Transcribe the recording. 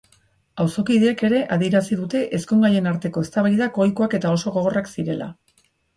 Auzokideek ere adierazi dute ezkongaien arteko eztabaidak ohikoak eta oso gogorrak zirela.